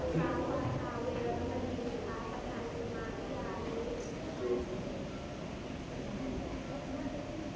สวัสดีครับสวัสดีครับ